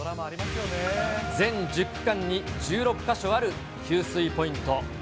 全１０区間に１６か所ある給水ポイント。